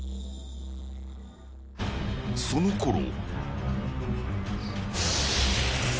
［そのころ］